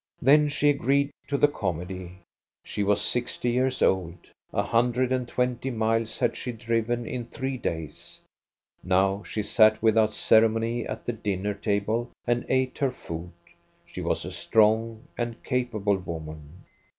" Then she agreed to the comedy. She was sixty years old ; a hundred and twenty miles had she driven in three days. Now she sat without ceremony at the dinner table and ate her food ; she was a strong and capable woman.